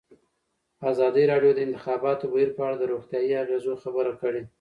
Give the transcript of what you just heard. ازادي راډیو د د انتخاباتو بهیر په اړه د روغتیایي اغېزو خبره کړې.